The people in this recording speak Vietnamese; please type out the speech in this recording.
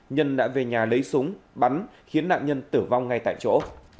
nhân đã về nhà lấy súng bắn khiến nạn nhân tử vong ngay tại chỗ